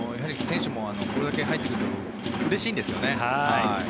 選手もこれだけ入ってくれるとうれしいんですよね。